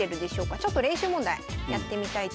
ちょっと練習問題やってみたいと思います。